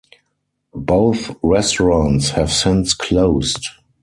Both restaurants have since closed.